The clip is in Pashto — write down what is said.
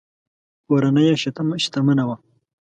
کورنۍ یې شتمنه وه.